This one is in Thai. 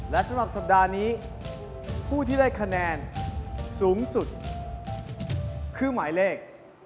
และสำหรับสัปดาห์นี้ผู้ที่ได้คะแนนสูงสุดคือหมายเลข